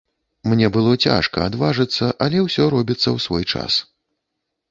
Мне было цяжка адважыцца, але ўсё робіцца ў свой час.